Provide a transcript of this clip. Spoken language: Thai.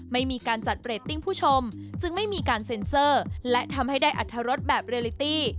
ไม่มีการจัดเรตติ้งผู้ชมจึงไม่มีการเซ็นเซอร์และทำให้ได้อัตรรสแบบเรลิตี้